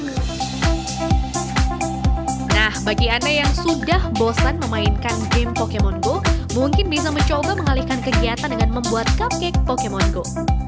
nah bagi anda yang sudah bosan memainkan game pokemon go mungkin bisa mencoba mengalihkan kegiatan dengan membuat cupcake pokemon go